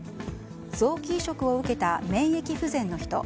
臓器移植を受けた免疫不全の人。